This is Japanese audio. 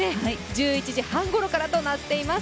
１１時半ごろからとなっています。